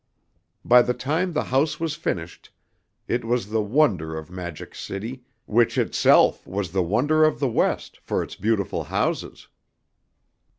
By the time the house was finished, it was the wonder of the Magic City, which itself was the wonder of the West for its beautiful houses.